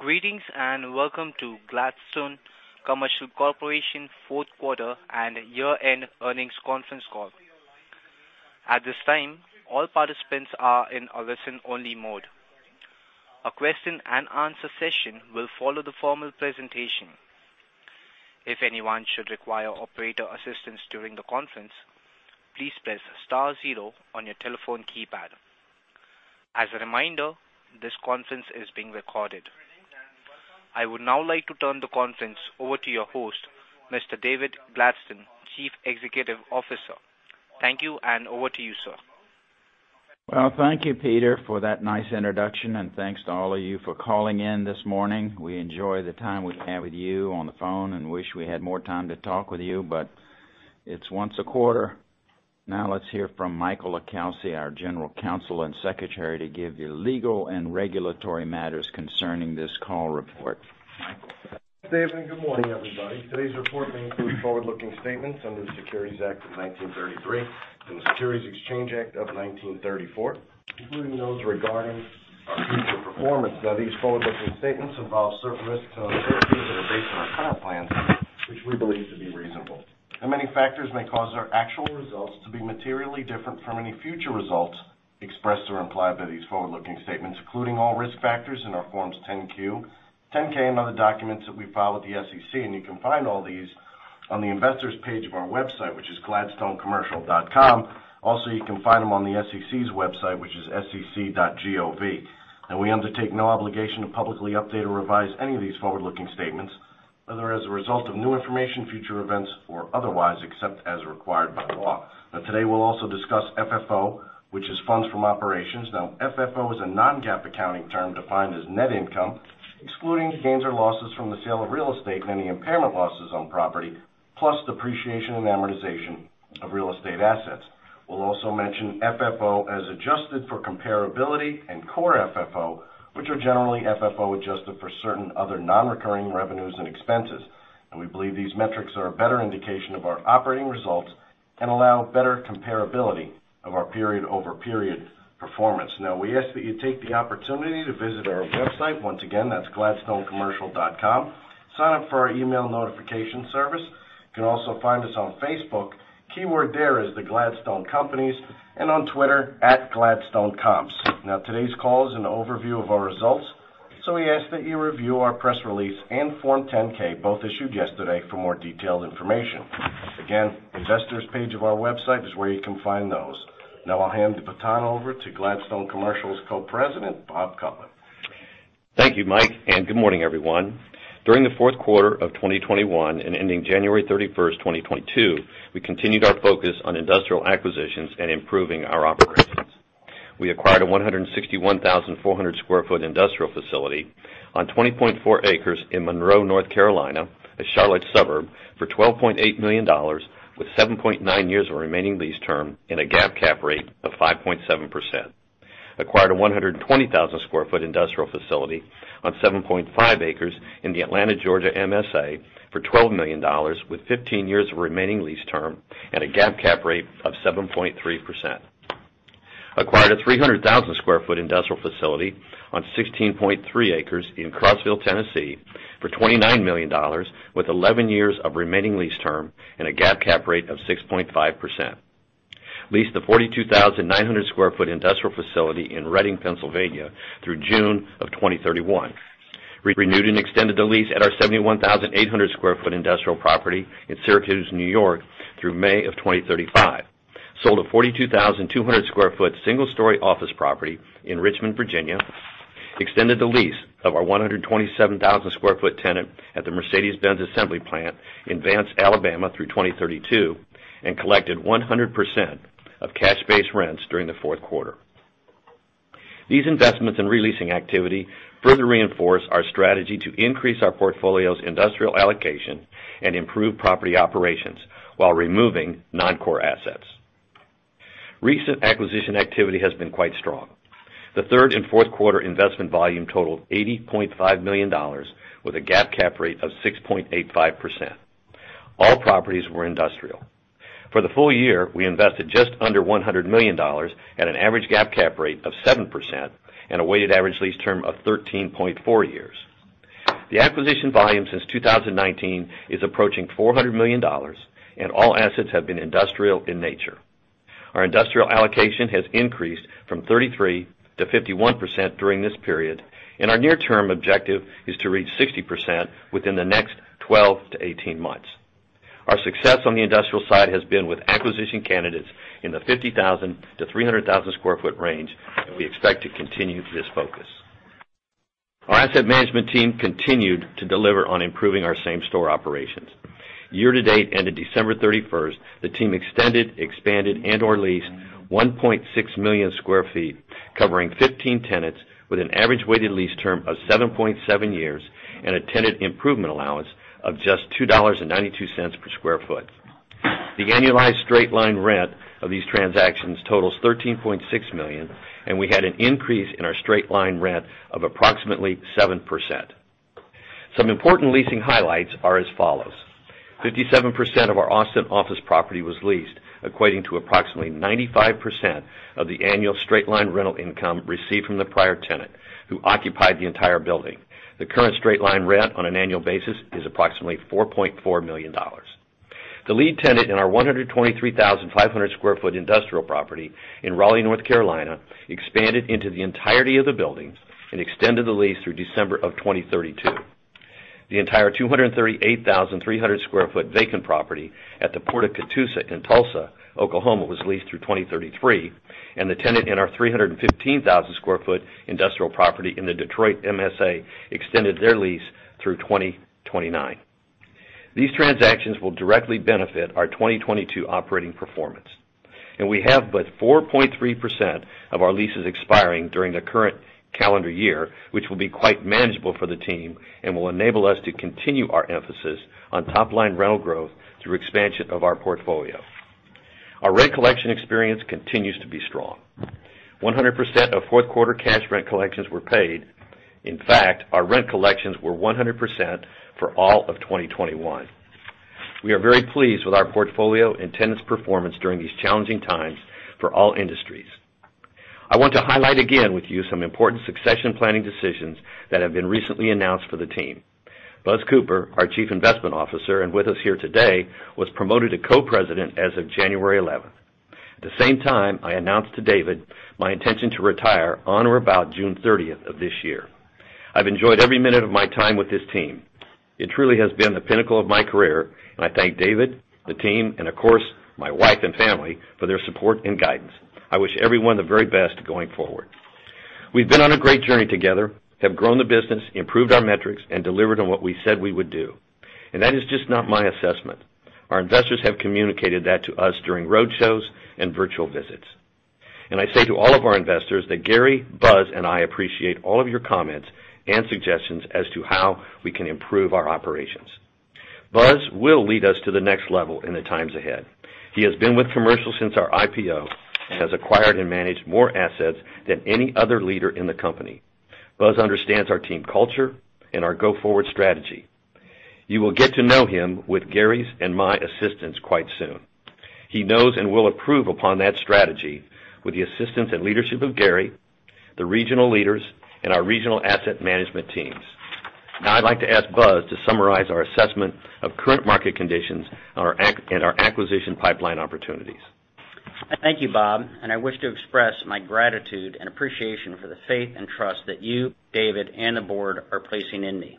Greetings, and welcome to Gladstone Commercial Corporation fourth quarter and year-end earnings conference call. At this time, all participants are in a listen-only mode. A question-and-answer session will follow the formal presentation. If anyone should require operator assistance during the conference, please press star zero on your telephone keypad. As a reminder, this conference is being recorded. I would now like to turn the conference over to your host, Mr. David Gladstone, Chief Executive Officer. Thank you, and over to you, sir. Well, thank you, Peter, for that nice introduction, and thanks to all of you for calling in this morning. We enjoy the time we have with you on the phone and wish we had more time to talk with you, but it's once a quarter. Now let's hear from Michael LiCalsi, our General Counsel and Secretary, to give you legal and regulatory matters concerning this call report. Michael. David, good morning, everybody. Today's report may include forward-looking statements under the Securities Act of 1933 and the Securities Exchange Act of 1934, including those regarding our future performance. Now, these forward-looking statements involve certain risks and uncertainties that are based on our current plans, which we believe to be reasonable. Many factors may cause our actual results to be materially different from any future results expressed or implied by these forward-looking statements, including all risk factors in our Form 10-Q, 10-K, and other documents that we file with the SEC. You can find all these on the investors page of our website, which is gladstonecommercial.com. Also, you can find them on the SEC's website, which is sec.gov. We undertake no obligation to publicly update or revise any of these forward-looking statements, whether as a result of new information, future events or otherwise, except as required by law. Now today, we'll also discuss FFO, which is funds from operations. Now FFO is a non-GAAP accounting term defined as net income, excluding gains or losses from the sale of real estate and any impairment losses on property, plus depreciation and amortization of real estate assets. We'll also mention FFO as adjusted for comparability and core FFO, which are generally FFO adjusted for certain other non-recurring revenues and expenses. We believe these metrics are a better indication of our operating results and allow better comparability of our period-over-period performance. Now, we ask that you take the opportunity to visit our website. Once again, that's gladstonecommercial.com. Sign up for our email notification service. You can also find us on Facebook. Keyword there is the Gladstone Companies. On Twitter, at Gladstone Comps. Now, today's call is an overview of our results. We ask that you review our press release and Form 10-K, both issued yesterday, for more detailed information. Again, investors page of our website is where you can find those. Now I'll hand the baton over to Gladstone Commercial's Co-President, Bob Cupp. Thank you, Mike, and good morning, everyone. During the fourth quarter of 2021 and ending January 31, 2022, we continued our focus on industrial acquisitions and improving our operations. We acquired a 161,400 sq ft industrial facility on 20.4 acres in Monroe, North Carolina, a Charlotte suburb, for $12.8 million, with 7.9 years of remaining lease term in a GAAP cap rate of 5.7%. Acquired a 120,000 sq ft industrial facility on 7.5 acres in the Atlanta, Georgia MSA for $12 million, with 15 years of remaining lease term and a GAAP cap rate of 7.3%. Acquired a 300,000 sq ft industrial facility on 16.3 acres in Crossville, Tennessee for $29 million, with 11 years of remaining lease term and a GAAP cap rate of 6.5%. Leased a 42,900 sq ft industrial facility in Reading, Pennsylvania through June 2031. Renewed and extended the lease at our 71,800 sq ft industrial property in Syracuse, New York through May 2035. Sold a 42,200 sq ft single-story office property in Richmond, Virginia. Extended the lease of our 127,000 sq ft tenant at the Mercedes-Benz assembly plant in Vance, Alabama through 2032, and collected 100% of cash base rents during the fourth quarter. These investments in re-leasing activity further reinforce our strategy to increase our portfolio's industrial allocation and improve property operations while removing non-core assets. Recent acquisition activity has been quite strong. The third and fourth quarter investment volume totaled $80.5 million, with a GAAP cap rate of 6.85%. All properties were industrial. For the full year, we invested just under $100 million at an average GAAP cap rate of 7% and a weighted average lease term of 13.4 years. The acquisition volume since 2019 is approaching $400 million, and all assets have been industrial in nature. Our industrial allocation has increased from 33%-51% during this period, and our near-term objective is to reach 60% within the next 12-18 months. Our success on the industrial side has been with acquisition candidates in the 50,000-300,000 sq ft range, and we expect to continue this focus. Our asset management team continued to deliver on improving our same store operations. Year-to-date, end of December 31, the team extended, expanded, and/or leased 1.6 million sq ft covering 15 tenants with an average weighted lease term of 7.7 years and a tenant improvement allowance of just $2.92 per sq ft. The annualized straight-line rent of these transactions totals $13.6 million, and we had an increase in our straight-line rent of approximately 7%. Some important leasing highlights are as follows. 57% of our Austin office property was leased, equating to approximately 95% of the annual straight-line rental income received from the prior tenant who occupied the entire building. The current straight-line rent on an annual basis is approximately $4.4 million. The lead tenant in our 123,500 sq ft industrial property in Raleigh, North Carolina expanded into the entirety of the building and extended the lease through December of 2032. The entire 238,300 sq ft vacant property at the Port of Catoosa in Tulsa, Oklahoma was leased through 2033, and the tenant in our 315,000 sq ft industrial property in the Detroit MSA extended their lease through 2029. These transactions will directly benefit our 2022 operating performance. We have but 4.3% of our leases expiring during the current calendar year, which will be quite manageable for the team and will enable us to continue our emphasis on top-line rental growth through expansion of our portfolio. Our rent collection experience continues to be strong. 100% of fourth quarter cash rent collections were paid. In fact, our rent collections were 100% for all of 2021. We are very pleased with our portfolio and tenants' performance during these challenging times for all industries. I want to highlight again with you some important succession planning decisions that have been recently announced for the team. Buzz Cooper, our Chief Investment Officer, and with us here today, was promoted to Co-President as of January 11. At the same time, I announced to David my intention to retire on or about June thirtieth of this year. I've enjoyed every minute of my time with this team. It truly has been the pinnacle of my career, and I thank David, the team, and of course, my wife and family for their support and guidance. I wish everyone the very best going forward. We've been on a great journey together, have grown the business, improved our metrics, and delivered on what we said we would do. That is just not my assessment. Our investors have communicated that to us during roadshows and virtual visits. I say to all of our investors that Gary, Buzz, and I appreciate all of your comments and suggestions as to how we can improve our operations. Buzz will lead us to the next level in the times ahead. He has been with Commercial since our IPO and has acquired and managed more assets than any other leader in the company. Buzz understands our team culture and our go-forward strategy. You will get to know him with Gary's and my assistance quite soon. He knows and will improve upon that strategy with the assistance and leadership of Gary, the regional leaders, and our regional asset management teams. Now I'd like to ask Buzz to summarize our assessment of current market conditions and our acquisition pipeline opportunities. Thank you, Bob, and I wish to express my gratitude and appreciation for the faith and trust that you, David, and the board are placing in me.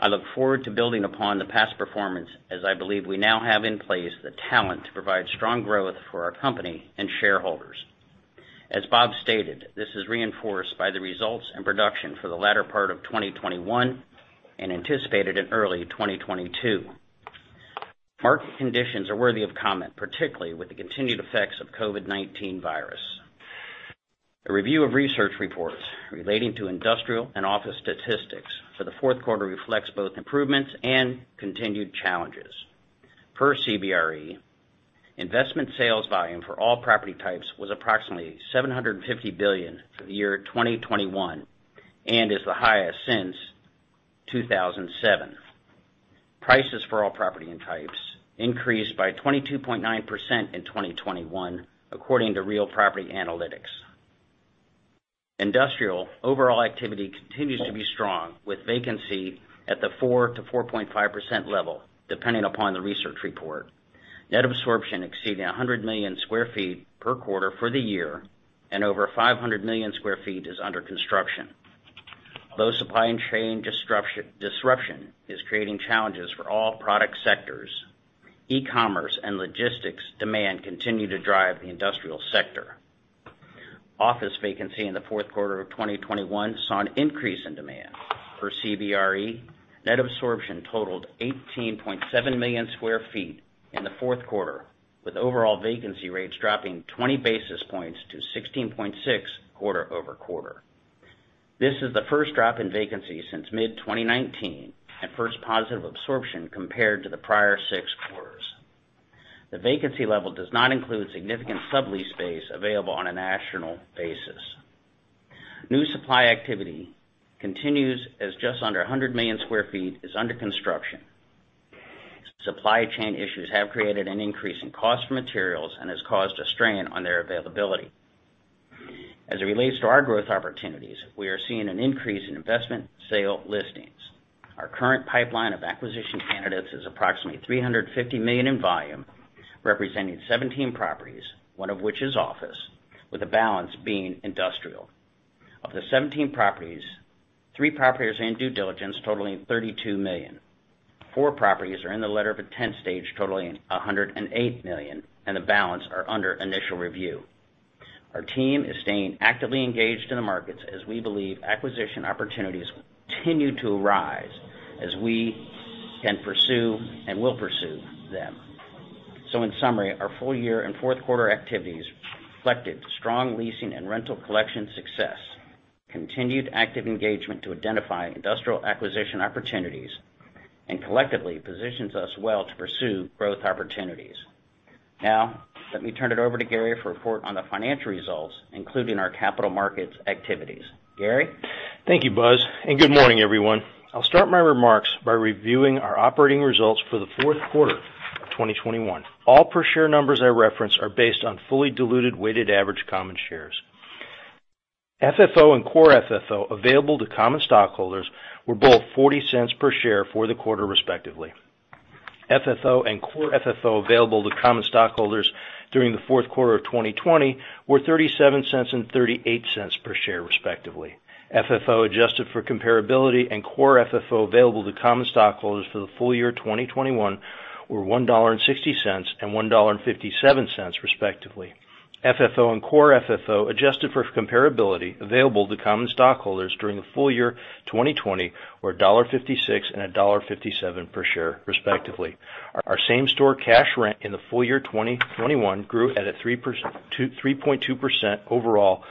I look forward to building upon the past performance as I believe we now have in place the talent to provide strong growth for our company and shareholders. As Bob stated, this is reinforced by the results and production for the latter part of 2021 and anticipated in early 2022. Market conditions are worthy of comment, particularly with the continued effects of COVID-19 virus. A review of research reports relating to industrial and office statistics for the fourth quarter reflects both improvements and continued challenges. Per CBRE, investment sales volume for all property types was approximately $750 billion for the year 2021 and is the highest since 2007. Prices for all property and types increased by 22.9% in 2021, according to Real Capital Analytics. Industrial overall activity continues to be strong, with vacancy at the 4%-4.5% level, depending upon the research report. Net absorption exceeding 100 million sq ft per quarter for the year and over 500 million sq ft is under construction. Although supply chain disruption is creating challenges for all product sectors, e-commerce and logistics demand continue to drive the industrial sector. Office vacancy in the fourth quarter of 2021 saw an increase in demand. Per CBRE, net absorption totaled 18.7 million sq ft in the fourth quarter, with overall vacancy rates dropping 20 basis points to 16.6 quarter-over-quarter. This is the first drop in vacancy since mid-2019 and first positive absorption compared to the prior six quarters. The vacancy level does not include significant sublease space available on a national basis. New supply activity continues as just under 100 million sq ft is under construction. Supply chain issues have created an increase in cost for materials and has caused a strain on their availability. As it relates to our growth opportunities, we are seeing an increase in investment sale listings. Our current pipeline of acquisition candidates is approximately $350 million in volume, representing 17 properties, one of which is office, with the balance being industrial. Of the 17 properties, three properties are in due diligence, totaling $32 million. Four properties are in the letter of intent stage, totaling $108 million, and the balance are under initial review. Our team is staying actively engaged in the markets as we believe acquisition opportunities continue to rise as we can pursue and will pursue them. In summary, our full year and fourth quarter activities reflected strong leasing and rental collection success, continued active engagement to identify industrial acquisition opportunities, and collectively positions us well to pursue growth opportunities. Now let me turn it over to Gary for a report on the financial results, including our capital markets activities. Gary? Thank you, Buzz, and good morning, everyone. I'll start my remarks by reviewing our operating results for the fourth quarter of 2021. All per share numbers I reference are based on fully diluted weighted average common shares. FFO and core FFO available to common stockholders were both $0.40 per share for the quarter, respectively. FFO and core FFO available to common stockholders during the fourth quarter of 2020 were $0.37 and $0.38 per share, respectively. FFO adjusted for comparability and core FFO available to common stockholders for the full year 2021 were $1.60 and $1.57, respectively. FFO and core FFO adjusted for comparability available to common stockholders during the full year 2020 were $1.56 and $1.57 per share, respectively. Our same store cash rent in the full year 2021 grew at a 3.2% overall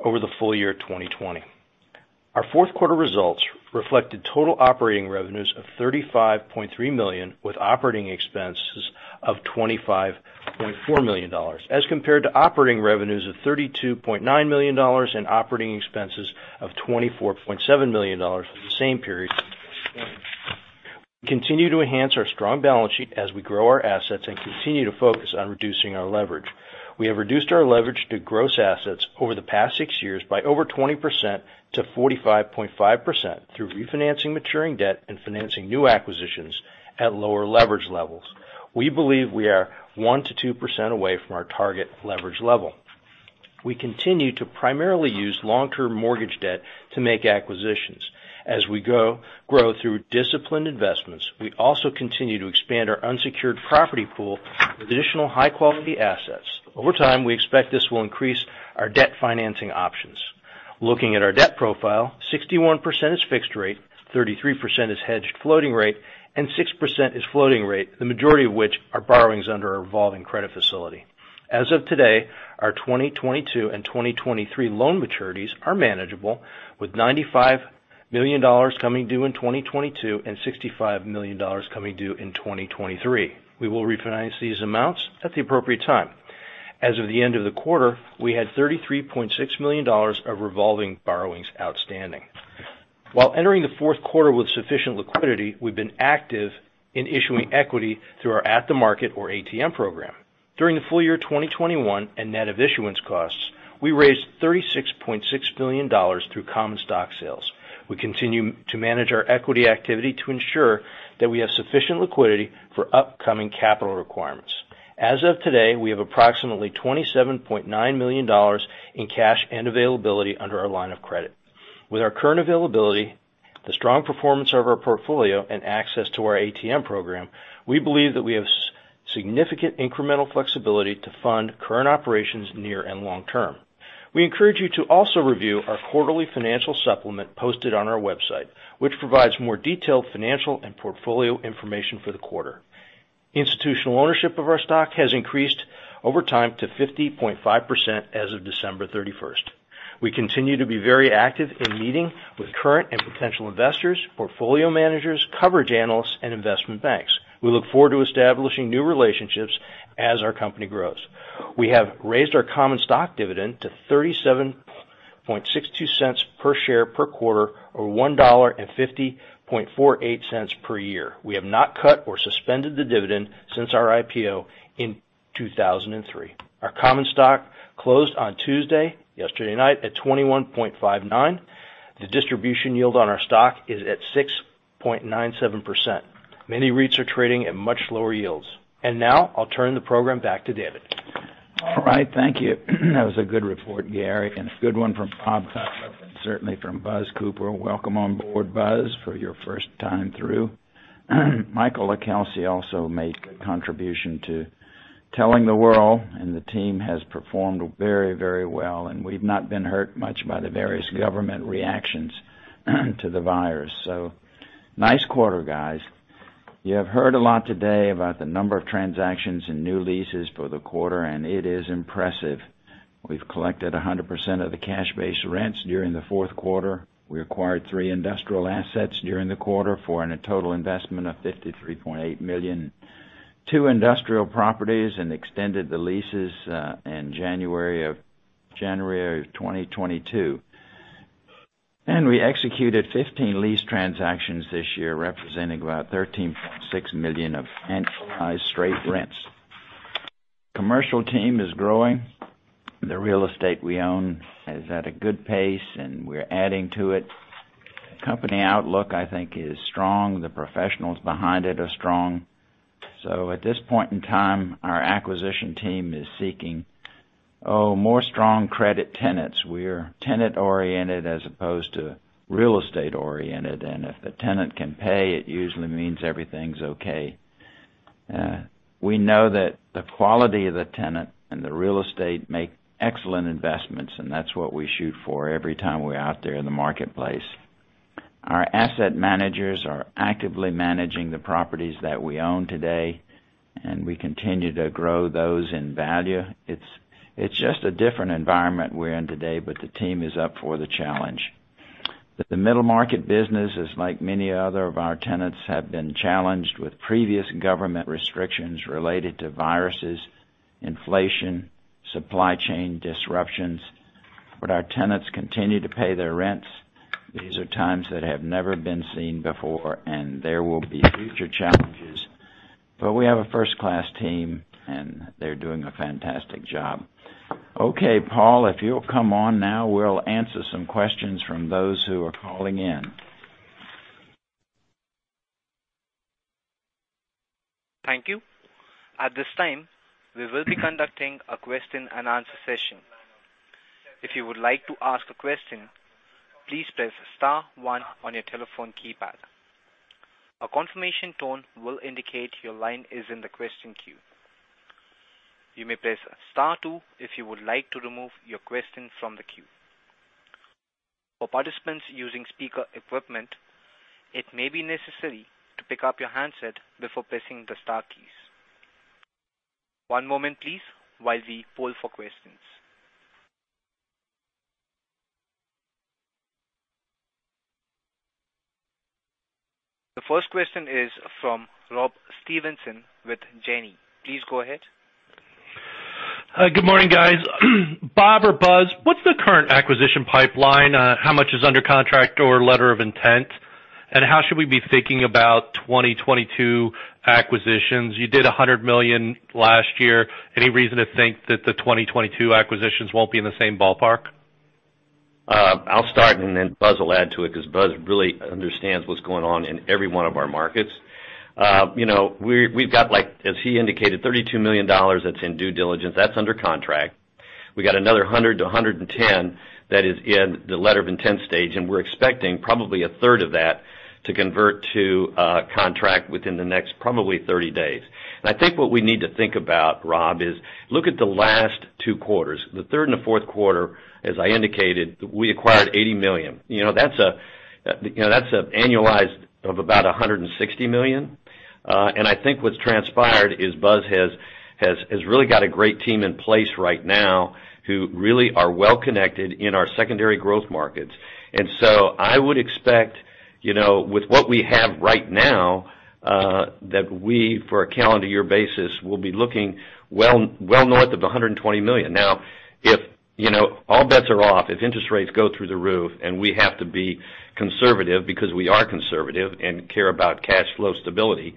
over the full year of 2020. Our fourth quarter results reflected total operating revenues of $35.3 million, with operating expenses of $25.4 million, as compared to operating revenues of $32.9 million and operating expenses of $24.7 million for the same period. We continue to enhance our strong balance sheet as we grow our assets and continue to focus on reducing our leverage. We have reduced our leverage to gross assets over the past six years by over 20% to 45.5% through refinancing maturing debt and financing new acquisitions at lower leverage levels. We believe we are 1%-2% away from our target leverage level. We continue to primarily use long-term mortgage debt to make acquisitions. As we grow through disciplined investments, we also continue to expand our unsecured property pool with additional high-quality assets. Over time, we expect this will increase our debt financing options. Looking at our debt profile, 61% is fixed rate, 33% is hedged floating rate, and 6% is floating rate, the majority of which are borrowings under our revolving credit facility. As of today, our 2022 and 2023 loan maturities are manageable, with $95 million coming due in 2022 and $65 million coming due in 2023. We will refinance these amounts at the appropriate time. As of the end of the quarter, we had $33.6 million of revolving borrowings outstanding. While entering the fourth quarter with sufficient liquidity, we've been active in issuing equity through our at the market, or ATM program. During the full year of 2021, and net of issuance costs, we raised $36.6 million through common stock sales. We continue to manage our equity activity to ensure that we have sufficient liquidity for upcoming capital requirements. As of today, we have approximately $27.9 million in cash and availability under our line of credit. With our current availability, the strong performance of our portfolio, and access to our ATM program, we believe that we have significant incremental flexibility to fund current operations near and long-term. We encourage you to also review our quarterly financial supplement posted on our website, which provides more detailed financial and portfolio information for the quarter. Institutional ownership of our stock has increased over time to 50.5% as of December 31. We continue to be very active in meeting with current and potential investors, portfolio managers, coverage analysts, and investment banks. We look forward to establishing new relationships as our company grows. We have raised our common stock dividend to $0.3762 per share per quarter, or $1.5048 per year. We have not cut or suspended the dividend since our IPO in 2003. Our common stock closed on Tuesday, yesterday night, at $21.59. The distribution yield on our stock is at 6.97%. Many REITs are trading at much lower yields. Now I'll turn the program back to David. All right. Thank you. That was a good report, Gary, and a good one from Bob Cupp and certainly from Buzz Cooper. Welcome on board, Buzz, for your first time through. Michael LiCalsi also made good contribution to telling the world, and the team has performed very, very well, and we've not been hurt much by the various government reactions to the virus. Nice quarter, guys. You have heard a lot today about the number of transactions and new leases for the quarter, and it is impressive. We've collected 100% of the cash base rents during the fourth quarter. We acquired three industrial assets during the quarter for in a total investment of $53.8 million. Two industrial properties and extended the leases in January of 2022. We executed 15 lease transactions this year, representing about $13.6 million of annualized straight rents. Commercial team is growing. The real estate we own is at a good pace, and we're adding to it. Company outlook, I think, is strong. The professionals behind it are strong. At this point in time, our acquisition team is seeking more strong credit tenants. We're tenant-oriented as opposed to real estate-oriented, and if the tenant can pay, it usually means everything's okay. We know that the quality of the tenant and the real estate make excellent investments, and that's what we shoot for every time we're out there in the marketplace. Our asset managers are actively managing the properties that we own today, and we continue to grow those in value. It's just a different environment we're in today, but the team is up for the challenge. The middle market business is like many other of our tenants have been challenged with previous government restrictions related to viruses, inflation, supply chain disruptions. Our tenants continue to pay their rents. These are times that have never been seen before, and there will be future challenges. We have a first-class team, and they're doing a fantastic job. Okay, Paul, if you'll come on now, we'll answer some questions from those who are calling in. Thank you. At this time, we will be conducting a question and answer session. If you would like to ask a question, please press star one on your telephone keypad. A confirmation tone will indicate your line is in the question queue. You may press star two if you would like to remove your question from the queue. For participants using speaker equipment, it may be necessary to pick up your handset before pressing the star keys. One moment, please, while we poll for questions. The first question is from Rob Stevenson with Janney. Please go ahead. Hi. Good morning, guys. Bob or Buzz, what's the current acquisition pipeline? How much is under contract or letter of intent? How should we be thinking about 2022 acquisitions? You did $100 million last year. Any reason to think that the 2022 acquisitions won't be in the same ballpark? I'll start, and then Buzz will add to it 'cause Buzz really understands what's going on in every one of our markets. You know, we've got, like, as he indicated, $32 million that's in due diligence. That's under contract. We got another $100 million to $110 million that is in the letter of intent stage, and we're expecting probably a third of that to convert to a contract within the next probably 30 days. I think what we need to think about, Rob, is look at the last two quarters. The third and the fourth quarter, as I indicated, we acquired $80 million. You know, that's an annualized of about $160 million. I think what's transpired is Buzz has really got a great team in place right now who really are well connected in our secondary growth markets. I would expect, you know, with what we have right now, that we, for a calendar year basis, will be looking well north of $120 million. Now, if, you know, all bets are off, if interest rates go through the roof, and we have to be conservative because we are conservative and care about cash flow stability.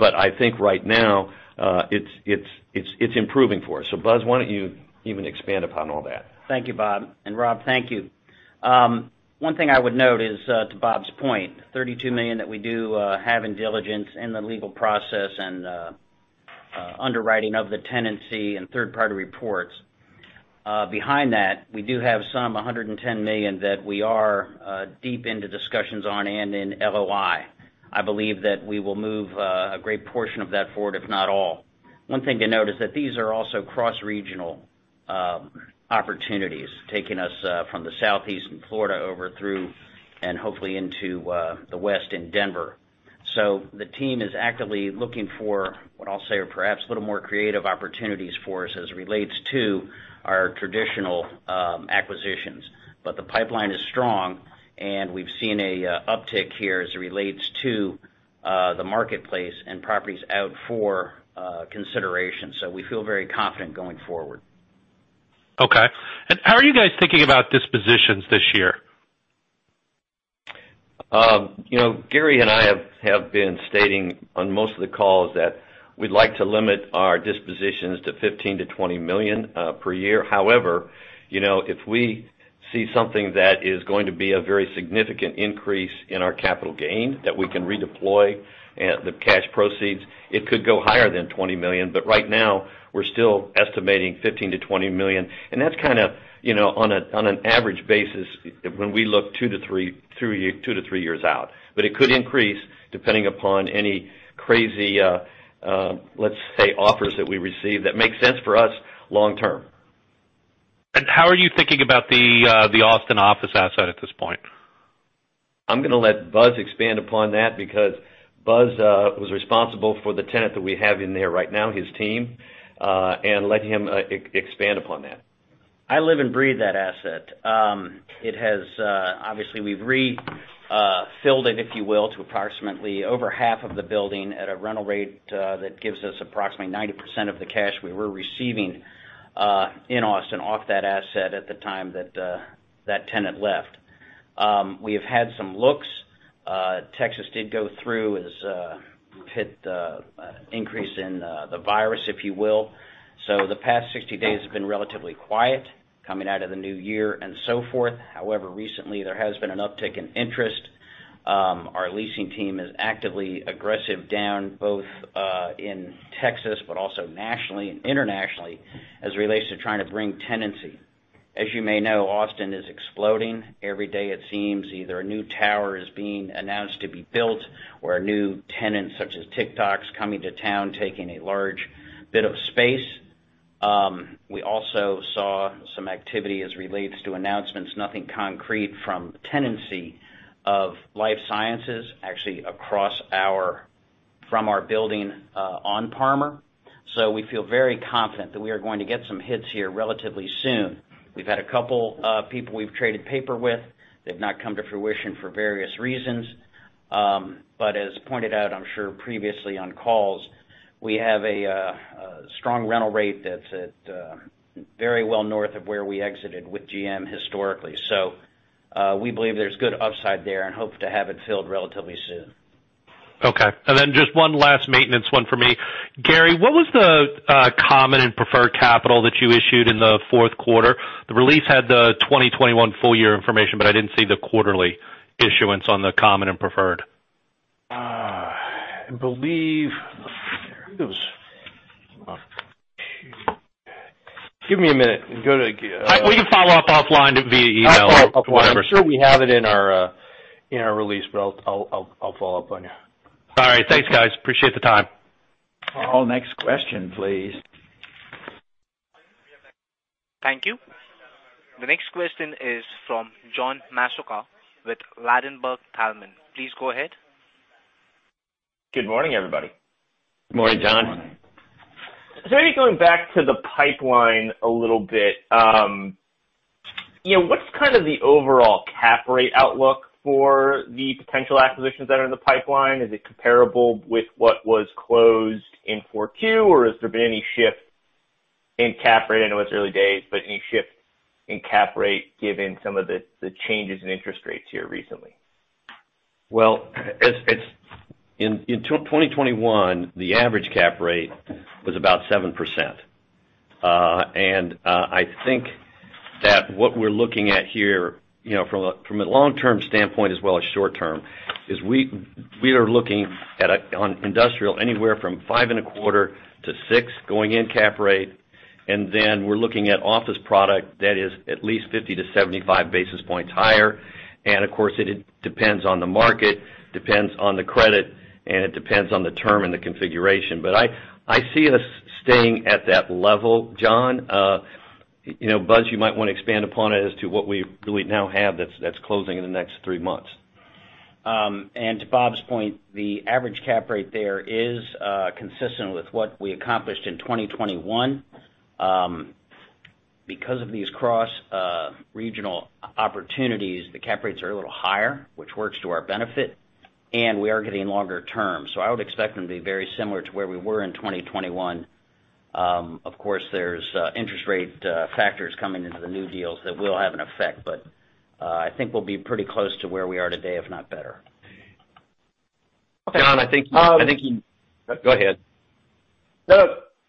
I think right now, it's improving for us. Buzz, why don't you even expand upon all that? Thank you, Bob, and Rob, thank you. One thing I would note is, to Bob's point, $32 million that we do have in diligence in the legal process and underwriting of the tenancy and third-party reports. Behind that, we do have some, $110 million that we are deep into discussions on and in LOI. I believe that we will move a great portion of that forward if not all. One thing to note is that these are also cross-regional opportunities taking us from the Southeast and Florida over through and hopefully into the West in Denver. The team is actively looking for what I'll say are perhaps a little more creative opportunities for us as it relates to our traditional acquisitions. The pipeline is strong, and we've seen an uptick here as it relates to the marketplace and properties out for consideration. We feel very confident going forward. Okay. How are you guys thinking about dispositions this year? You know, Gary and I have been stating on most of the calls that we'd like to limit our dispositions to $15 million-$20 million per year. However, you know, if we see something that is going to be a very significant increase in our capital gain that we can redeploy and the cash proceeds, it could go higher than $20 million. Right now, we're still estimating $15 million-$20 million, and that's kinda, you know, on an average basis when we look two to three years out. It could increase depending upon any crazy, let's say, offers that we receive that make sense for us long term. How are you thinking about the Austin office asset at this point? I'm gonna let Buzz expand upon that because Buzz was responsible for the tenant that we have in there right now, his team, and let him expand upon that. I live and breathe that asset. It has obviously we've filled it, if you will, to approximately over half of the building at a rental rate that gives us approximately 90% of the cash we were receiving in Austin off that asset at the time that that tenant left. We have had some looks. Texas did go through as we've hit the increase in the virus, if you will. The past 60 days have been relatively quiet coming out of the new year and so forth. However, recently, there has been an uptick in interest. Our leasing team is actively aggressive down both in Texas but also nationally and internationally as it relates to trying to bring tenancy. As you may know, Austin is exploding. Every day it seems either a new tower is being announced to be built or a new tenant such as TikTok's coming to town taking a large bit of space. We also saw some activity as relates to announcements, nothing concrete from tenants of life sciences actually across from our building on Parmer. We feel very confident that we are going to get some hits here relatively soon. We've had a couple of people we've traded paper with. They've not come to fruition for various reasons. As pointed out, I'm sure previously on calls, we have a strong rental rate that's at very well north of where we exited with GM historically. We believe there's good upside there and hope to have it filled relatively soon. Okay. Just one last maintenance one for me. Gary, what was the common and preferred capital that you issued in the fourth quarter? The release had the 2021 full year information, but I didn't see the quarterly issuance on the common and preferred. Give me a minute. Let me go to We can follow up offline via email. I'll follow up. I'm sure we have it in our, in our release, but I'll follow up on you. All right. Thanks, guys. Appreciate the time. Our next question, please. Thank you. The next question is from John Massocca with Ladenburg Thalmann. Please go ahead. Good morning, everybody. Good morning, John. Going back to the pipeline a little bit, you know, what's kind of the overall cap rate outlook for the potential acquisitions that are in the pipeline? Is it comparable with what was closed in Q4 2022, or has there been any shift in cap rate? I know it's early days, but any shift in cap rate given some of the changes in interest rates here recently? In 2021, the average cap rate was about 7%. I think that what we're looking at here, from a long-term standpoint as well as short term, is we are looking at on industrial anywhere from 5.25%-6% going in cap rate. Then we're looking at office product that is at least 50-75 basis points higher. Of course, it depends on the market, depends on the credit, and it depends on the term and the configuration. I see us staying at that level, John. Buzz, you might wanna expand upon it as to what we now have that's closing in the next three months. To Bob's point, the average cap rate there is consistent with what we accomplished in 2021. Because of these cross regional opportunities, the cap rates are a little higher, which works to our benefit, and we are getting longer terms. I would expect them to be very similar to where we were in 2021. Of course, there's interest rate factors coming into the new deals that will have an effect, but I think we'll be pretty close to where we are today, if not better. Okay. John, I think you go ahead. No,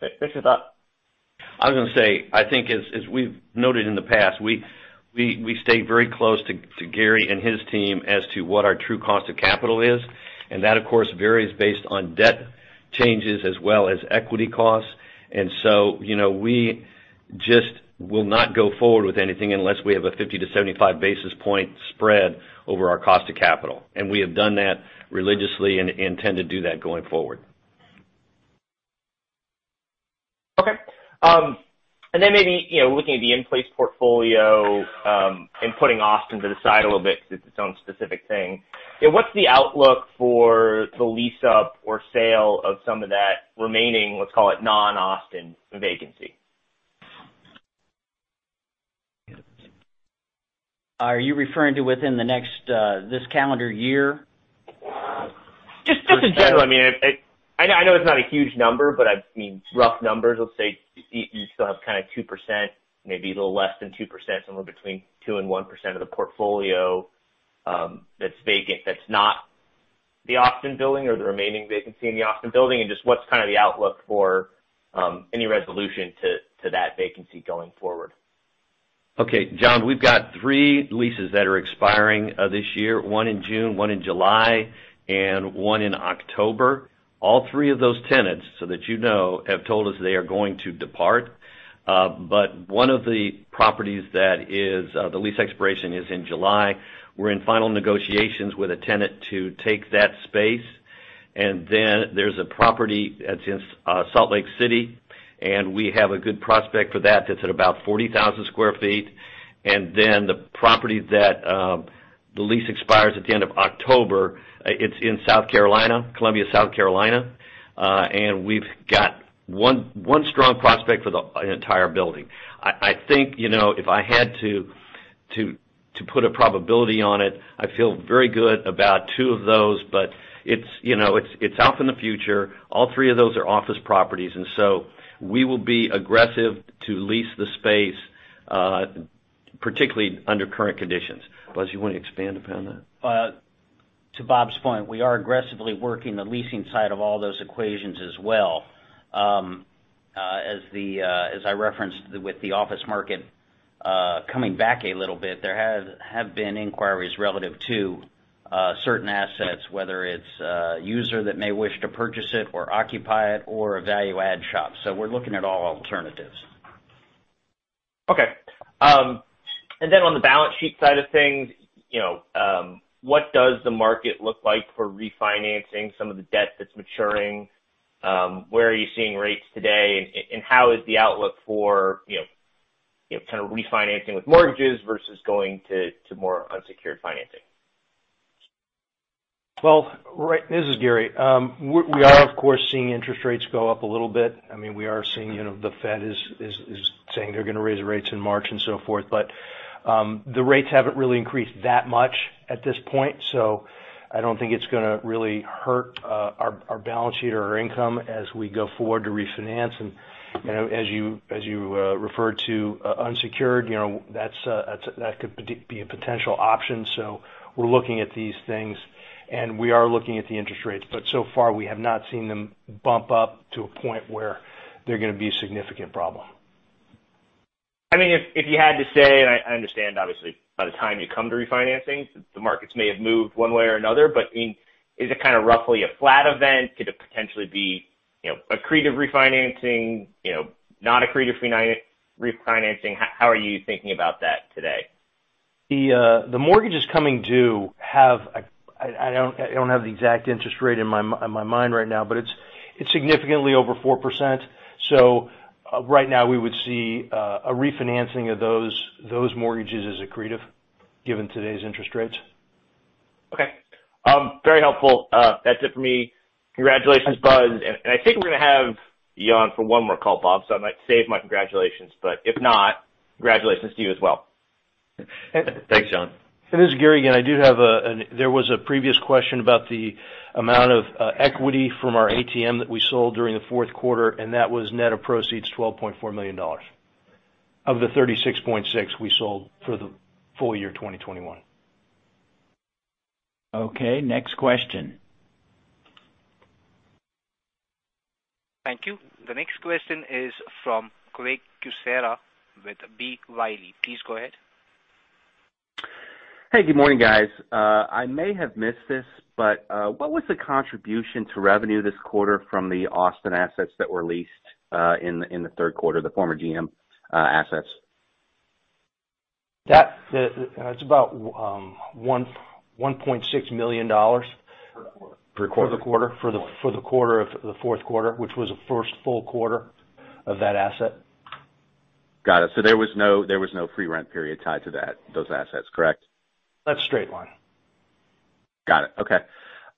no. Finish your thought. I was gonna say, I think as we've noted in the past, we stay very close to Gary and his team as to what our true cost of capital is, and that, of course, varies based on debt changes as well as equity costs. You know, we just will not go forward with anything unless we have a 50-75 basis point spread over our cost of capital. We have done that religiously and intend to do that going forward. Okay. Maybe, you know, looking at the in-place portfolio, and putting Austin to the side a little bit because it's its own specific thing. Yeah, what's the outlook for the lease-up or sale of some of that remaining, let's call it non-Austin vacancy? Are you referring to within the next, this calendar year? Just in general. I mean, I know it's not a huge number, but I mean, rough numbers, let's say you still have kind of 2%, maybe a little less than 2%, somewhere between 2% and 1% of the portfolio, that's vacant, that's not the Austin building or the remaining vacancy in the Austin building. Just what's kind of the outlook for any resolution to that vacancy going forward? Okay, John. We've got 3 leases that are expiring this year. One in June, one in July, and one in October. All three of those tenants, so that you know, have told us they are going to depart. One of the properties that is the lease expiration is in July, we're in final negotiations with a tenant to take that space. Then there's a property that's in Salt Lake City, and we have a good prospect for that's at about 40,000 sq ft. The property that the lease expires at the end of October, it's in South Carolina, Columbia, South Carolina. We've got one strong prospect for the entire building. I think, you know, if I had to put a probability on it, I feel very good about two of those, but it's, you know, it's off in the future. All three of those are office properties, and so we will be aggressive to lease the space, particularly under current conditions. Buzz, you wanna expand upon that? To Bob's point, we are aggressively working the leasing side of all those equations as well. As I referenced with the office market coming back a little bit, there have been inquiries relative to certain assets, whether it's a user that may wish to purchase it or occupy it or a value-add shop. We're looking at all alternatives. Okay. On the balance sheet side of things, you know, what does the market look like for refinancing some of the debt that's maturing? Where are you seeing rates today? How is the outlook for, you know, kind of refinancing with mortgages versus going to more unsecured financing. Well, right. This is Gary. We are of course seeing interest rates go up a little bit. I mean, we are seeing, you know, the Fed is saying they're gonna raise rates in March and so forth. The rates haven't really increased that much at this point, so I don't think it's gonna really hurt our balance sheet or our income as we go forward to refinance. You know, as you referred to unsecured, you know, that's a that could be a potential option. We're looking at these things, and we are looking at the interest rates, but so far we have not seen them bump up to a point where they're gonna be a significant problem. I mean, if you had to say, and I understand obviously by the time you come to refinancing, the markets may have moved one way or another, but I mean, is it kind of roughly a flat event? Could it potentially be, you know, accretive refinancing, you know, not accretive refinancing? How are you thinking about that today? The mortgages coming due do have. I don't have the exact interest rate in my mind right now, but it's significantly over 4%. Right now we would see a refinancing of those mortgages as accretive given today's interest rates. Okay. Very helpful. That's it for me. Congratulations, Buzz. I think we're gonna have you on for one more call, Bob, so I might save my congratulations, but if not, congratulations to you as well. Thanks, John. This is Gary again. I do have. There was a previous question about the amount of equity from our ATM that we sold during the fourth quarter, and that was net of proceeds, $12.4 million of the $36.6 million we sold for the full year 2021. Okay, next question. Thank you. The next question is from Craig Kucera with B. Riley. Please go ahead. Hey, good morning, guys. I may have missed this, but what was the contribution to revenue this quarter from the Austin assets that were leased in the third quarter, the former GM assets? It's about $1.6 million. Per quarter. For the fourth quarter, which was the first full quarter of that asset. Got it. There was no free rent period tied to that, those assets, correct? That's straight line. Got it. Okay.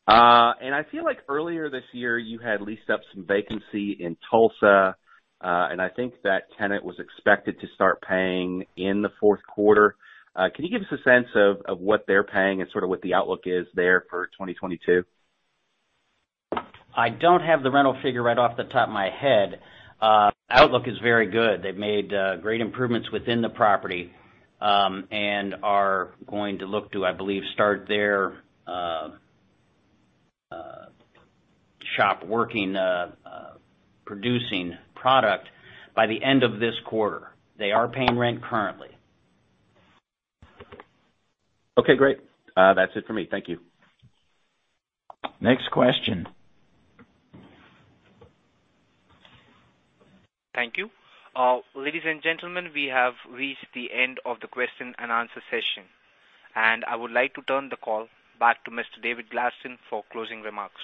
I feel like earlier this year you had leased up some vacancy in Tulsa, and I think that tenant was expected to start paying in the fourth quarter. Can you give us a sense of what they're paying and sort of what the outlook is there for 2022? I don't have the rental figure right off the top of my head. Outlook is very good. They've made great improvements within the property and are going to look to, I believe, start their shop working, producing product by the end of this quarter. They are paying rent currently. Okay, great. That's it for me. Thank you. Next question. Thank you. Ladies and gentlemen, we have reached the end of the question and answer session, and I would like to turn the call back to Mr. David Gladstone for closing remarks.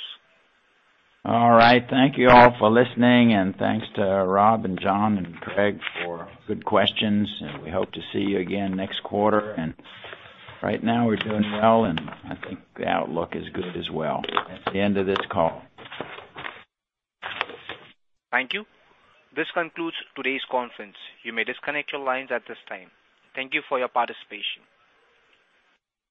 All right. Thank you all for listening, and thanks to Rob and John and Craig for good questions, and we hope to see you again next quarter. Right now we're doing well, and I think the outlook is good as well. That's the end of this call. Thank you. This concludes today's conference. You may disconnect your lines at this time. Thank you for your participation.